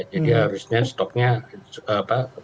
jadi harusnya stoknya pasokan stoknya amat